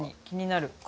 気になる。